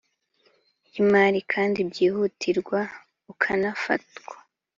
y imari kandi byihutirwa ukanafatwa